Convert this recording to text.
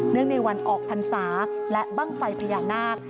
เนื่องในวันออกพรรษาและบั้งไฟพญานาค